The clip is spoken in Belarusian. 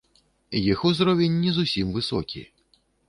Іх узровень не зусім высокі.